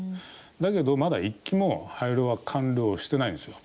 だけど、まだ１基も廃炉が完了してないんですよ。